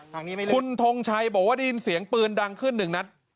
ทางนี้คุณทงชัยบอกว่าเดี๋ยวเสียงปืนดังขึ้นนึงดัด